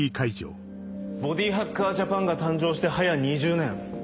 ボディハッカージャパンが誕生してはや２０年。